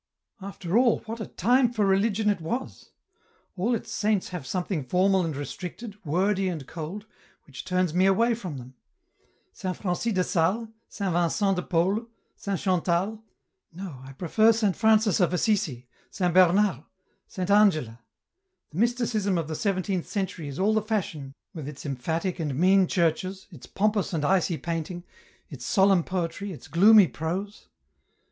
" After all, what a time for religion it was ? All its saints have something formal and restricted, wordy and cold, which turns me away from them. Saint Francis de Sales, Saint Vincent de Paul, Saint Chantal. .. No, I prefer Saint Francis of Assisi, Saint Bernard, Saint Angela. . .The Mysticism of the seventeenth century is all the fashion with its emphatic and T 274 EN ROUTE nean churches, its pompous and icy painting, its solemn poetry, its gloomy prose.